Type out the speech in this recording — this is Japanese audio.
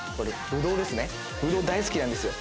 ぶどう大好きなんですよ。